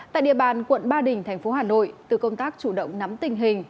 tại địa bàn quận ba đình thành phố hà nội từ công tác chủ động nắm tình hình